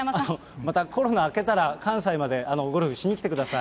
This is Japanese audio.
またコロナ明けたら関西までゴルフしに来てください。